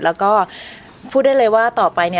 แล้วก็พูดได้เลยว่าต่อไป